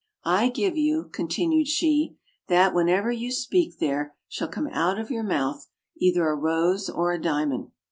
"I give you/' continued she, "that whenever you speak there shall come out of your mouth either a rose or a diamond."